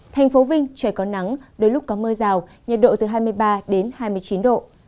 thành phố vinh trời có nắng đôi lúc có mưa rào nhiệt độ từ hai mươi ba đến hai mươi chín độ